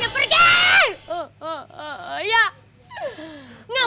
dan bubar bubar bubar aja segalanya